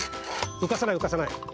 うかさないうかさない。